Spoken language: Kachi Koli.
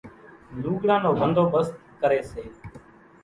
لُوڳڙان نو ڀنڌوڀست ڪريَ سي۔